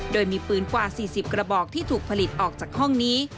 โดยมีปืนกว่า๔๐กระบอกที่ถูกผลิตออกจากห้องนี้